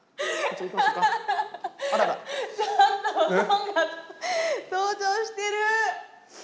ちょっとおとんが登場してる！